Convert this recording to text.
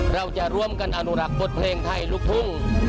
เราจะร่วมกันอนุรักษ์บทเพลงไทยลูกทุ่ง